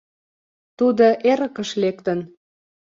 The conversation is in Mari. Тудо эрыкыш лектын.